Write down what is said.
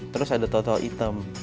terus ada total hitam